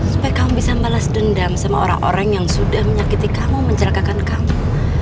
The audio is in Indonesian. supaya kamu bisa balas dendam sama orang orang yang sudah menyakiti kamu mencelakakan kamu